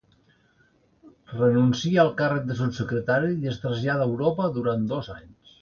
Renúncia al càrrec de Subsecretari, i es trasllada a Europa durant dos anys.